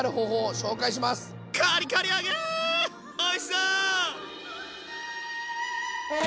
おいしそう！